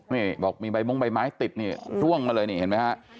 นี่บอกมีใบมงใบไม้ติดนี่ร่วงมาเลยนี่เห็นไหมฮะ